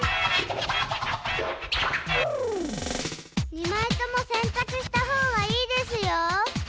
２まいとも洗濯したほうがいいですよ。